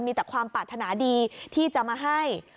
มีแต่ความปรารถนาดีที่จะมาให้